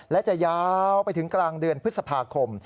และจะยาวไปถึงกลางเดือนพฤษภาคม